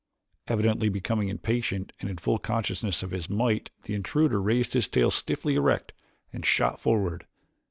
Evidently becoming impatient, and in full consciousness of his might the intruder raised his tail stiffly erect and shot forward.